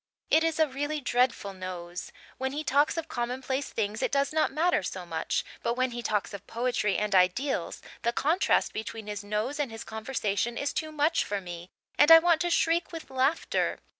It is a really dreadful nose. When he talks of commonplace things it does not matter so much, but when he talks of poetry and ideals the contrast between his nose and his conversation is too much for me and I want to shriek with laughter.